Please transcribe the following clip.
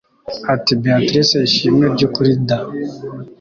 Ati Beatrice ishimwe ryukuri D